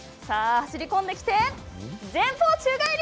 走り込んできて前方宙返り。